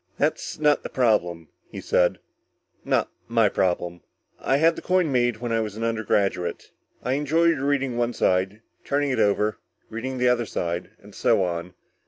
"That's not the problem," he said, "not my problem. I had the coin made when I was an undergraduate. I enjoyed reading one side, turning it over, reading the other side, and so on.